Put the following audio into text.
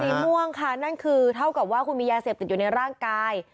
ม่วงค่ะนั่นคือเท่ากับว่าคุณมียาเสพติดอยู่ในร่างกาย